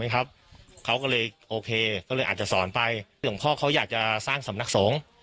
เขาก็เลยโอเคก็เลยอาจจะสอนไปหลวงพ่อเขาอยากจะสร้างสำนักสงฆ์